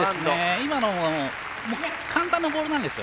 今のも簡単なボールなんですよ。